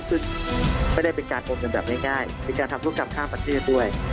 ซึ่งไม่ได้เป็นการโอนเงินแบบง่ายเป็นการทำธุรกรรมข้ามประเทศด้วย